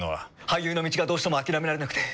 俳優の道がどうしても諦められなくて。